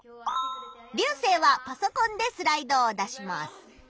リュウセイはパソコンでスライドを出します。